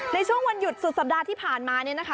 ในช่วงวันหยุดสุดสัปดาห์ที่ผ่านมาเนี่ยนะคะ